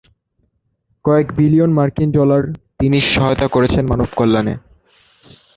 কয়েক বিলিয়ন মার্কিন ডলার তিনি সহায়তা করেছেন মানব কল্যাণে।